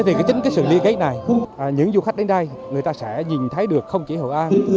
vì cái chính cái sự liên kết này những du khách đến đây người ta sẽ nhìn thấy được không chỉ hậu an